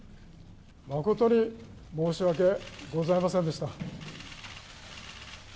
誠に申し訳ございませんでした。